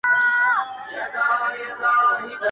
چي كله مخ ښكاره كړي ماته ځېرسي اې ه.